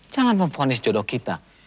jangan memfonis jodoh kita